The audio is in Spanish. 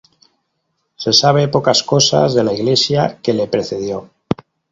Se saben pocas cosas de la iglesia que le precedió.